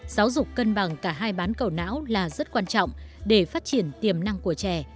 giáo dục cân bằng cả hai bán cầu não là rất quan trọng để phát triển tiềm năng của trẻ